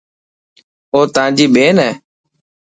اوتانجي ٻين هي.